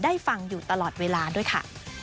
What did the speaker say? ฟังอยู่ตลอดเวลาด้วยค่ะ